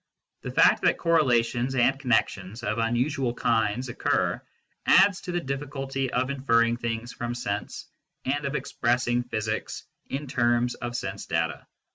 The fact that correlations and connections of un usual kinds occur adds to the difficulty of inferring things from sense and of expressing physics in terms of sense data.